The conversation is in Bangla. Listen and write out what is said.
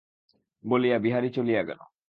বলিয়া বিহারী চলিয়া গেল।